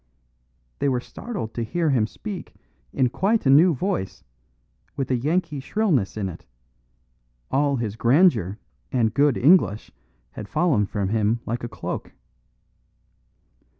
They were startled to hear him speak in quite a new voice, with a Yankee shrillness in it; all his grandeur and good English had fallen from him like a cloak.